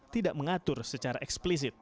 tidak mengatur secara eksplisit